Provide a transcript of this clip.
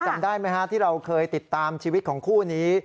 จำได้ไหมฮะที่เราเคยติดตามชีวิตของคู่นี้